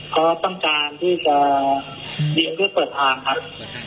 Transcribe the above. เขาต้องการที่จะเบียงเพื่อเปิดทางครับ